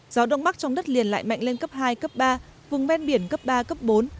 gió đông bắc trong đất liền lại mạnh lên cấp hai cấp ba vùng ven biển cấp ba cấp bốn